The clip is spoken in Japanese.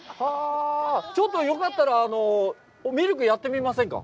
ちょっとよかったらミルクをやってみませんか？